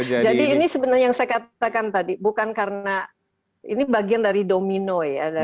jadi ini sebenarnya yang saya katakan tadi bukan karena ini bagian dari domino ya